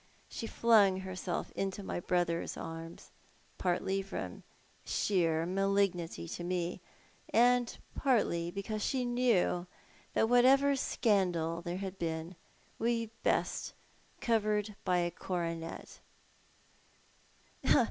She flung herself into my brother's arms — joartly from sheer malignity to me, and partly because she knew that whatever scandal there had been would be best covered by a coronet."